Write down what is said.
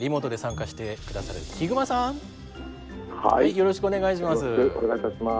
よろしくお願いします。